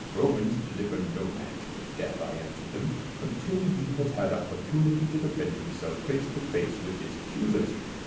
Romans deliver no man to the death, I answered them, until he has had opportunity to defend himself face to face with his accusers.